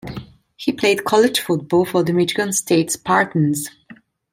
He played college football for the Michigan State Spartans.